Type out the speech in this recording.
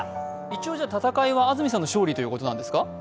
一応、戦いは安住さんの勝利ということなんですか？